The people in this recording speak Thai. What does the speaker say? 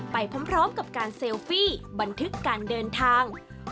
ไปพร้อมกับการเซลฟี่บันทึกการเดินทาง